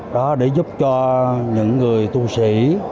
để giúp cho những người tu sĩ